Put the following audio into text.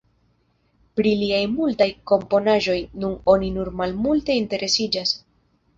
Pri liaj multaj komponaĵoj nun oni nur malmulte interesiĝas.